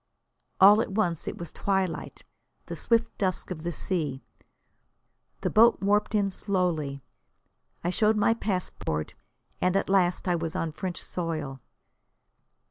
All at once it was twilight, the swift dusk of the sea. The boat warped in slowly. I showed my passport, and at last I was on French soil.